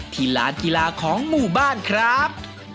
ที่ร้านกีฬาของหมู่บ้านครับ